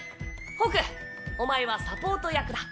ホークお前はサポート役だ。